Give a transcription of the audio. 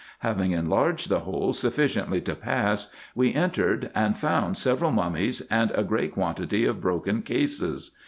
Having enlarged the hole sufficiently to pass, we entered, and found several mummies, and a great quantity of broken cases.